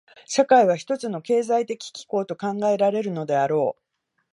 社会は一つの経済的機構と考えられるであろう。